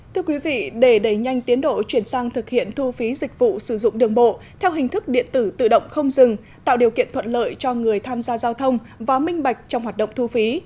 thưa quý vị để đẩy nhanh tiến độ chuyển sang thực hiện thu phí dịch vụ sử dụng đường bộ theo hình thức điện tử tự động không dừng tạo điều kiện thuận lợi cho người tham gia giao thông và minh bạch trong hoạt động thu phí